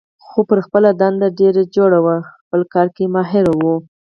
خو پر خپله دنده ډېره جوړه وه، په خپل کار کې ماهره وه.